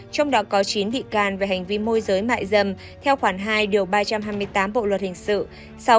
trong đó có chín bị can về hành vi môi giới mại dâm theo khoản hai điều ba trăm hai mươi tám bộ luật hình sự